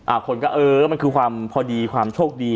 คนก็เออมันคือความพอดีความโชคดี